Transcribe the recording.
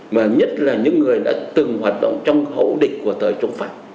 mà nhất là những người đã từng hoạt động trong hậu địch của thời chống pháp